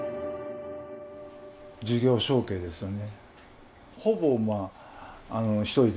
事業承継ですよね。